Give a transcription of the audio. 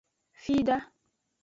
Fida.